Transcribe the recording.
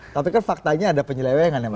tapi kan faktanya ada penyelewengan